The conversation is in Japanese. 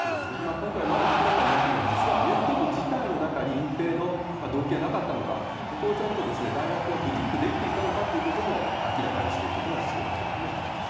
今回まだ明らかになっていない、実はアメフト部自体に隠蔽の動機はなかったのか、ここをちゃんと大学がグリップできていたのかということも、明らかにしていくことが必要だというふうには思います。